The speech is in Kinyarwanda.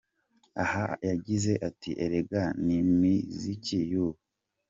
Aha yagize ati: “erega n’imiziki y’ubu!”.